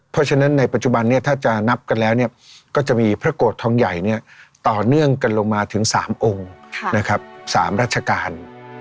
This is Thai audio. เพราะฉะนั้นในปัจจุบันนี้ถ้าจะนับกันแล้วก็จะมีพระโกรธทองใหญ่ต่อเนื่องกันลงมาถึง๓องค์นะครับ๓ราชการ